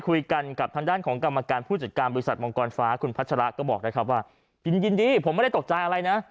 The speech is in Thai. คุณพัชราก็บอกได้ครับว่ายินดีผมไม่ได้ตกใจอะไรนะ